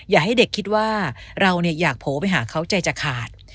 อย่าให้เด็กคิดว่าเราอยากโผล่ไปหาเขาใจจะขาด